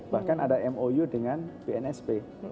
bahkan ada mou dengan bnsp